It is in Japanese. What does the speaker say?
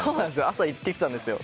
朝行って来たんですよ。